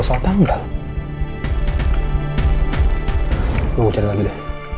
siapa angkat diri